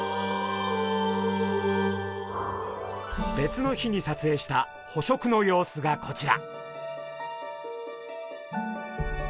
別の日にさつえいした捕食の様子がこちら。